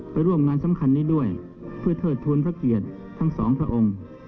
ร่วมงานสำคัญนี้ด้วยเพื่อเทิดทูลพระเกียรติทั้งสองพระองค์